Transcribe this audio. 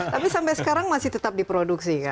tapi sampai sekarang masih tetap diproduksi kan